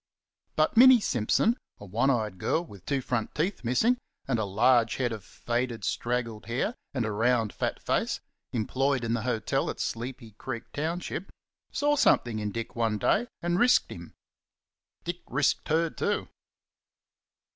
But Minnie Simpson, a one eyed girl with two front teeth missing and a large head of faded, straggled hair and a round fat face, employed in the hotel at Sleepy Creek township, saw something in Dick one day and risked him. Dick risked her too.